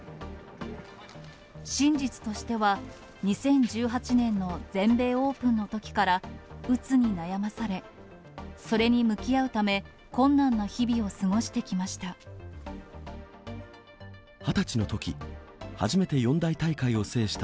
真実としては、２０１８年の全米オープンのときから、うつに悩まされ、それに向き合うため、困難な日々を過ごしてきま２０歳のとき、初めて四大大会を制した